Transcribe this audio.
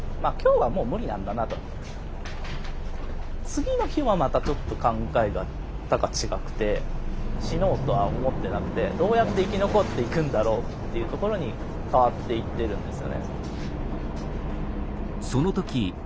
次の日はまたちょっと考え方が違くて死のうとは思ってなくてどうやって生き残っていくんだろうっていうところに変わっていってるんですよね。